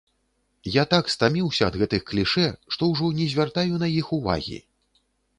Я так стаміўся ад гэтых клішэ, што ўжо не звяртаю на іх увагі!